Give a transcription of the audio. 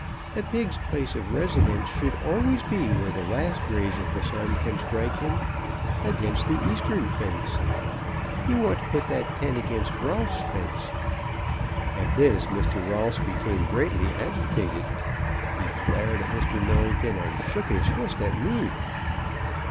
A pig's place of residence should always be where the last rays of the sun can strike him against the eastern fence. You want to put that pen against Rolf's fence." At this Mr. Rolfs became greatly agitated. He glared at Mr. Millington, and shook his fist at me.